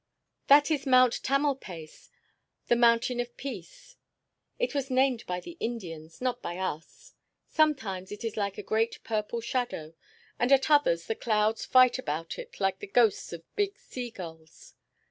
"That is Mount Tamalpais the mountain of peace. It was named by the Indians, not by us. Sometimes it is like a great purple shadow, and at others the clouds fight about it like the ghosts of big sea gulls."